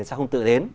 sẽ không tự đến